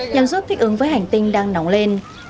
nhằm giúp thích ứng với hành tinh đang nóng lên